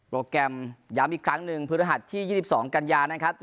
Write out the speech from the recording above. แกรมย้ำอีกครั้งหนึ่งพฤหัสที่๒๒กันยานะครับ